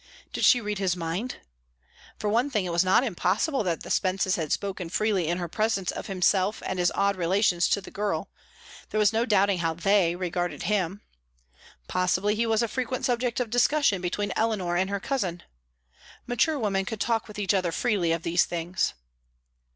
Did she read his mind? For one thing, it was not impossible that the Spences had spoken freely in her presence of himself and his odd relations to the girl; there was no doubting how they regarded him. Possibly he was a frequent subject of discussion between Eleanor and her cousin. Mature women could talk with each other freely of these things.